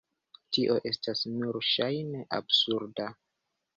Tio estas nur ŝajne absurda.